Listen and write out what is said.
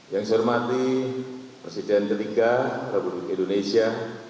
yang saya hormati presiden ketiga republik indonesia